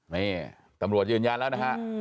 นี่ตำรวจยืนยันแล้วนะฮะ